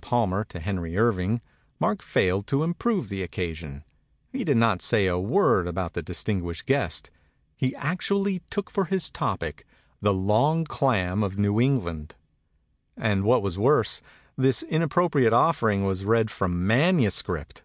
Palmer to Henry Irving, Mark failed to improve the occasion; he did not say a word about the distinguished guest; he actu ally took for his topic the long clam of New England and what was worse, this inappropri ate offering was read from manuscript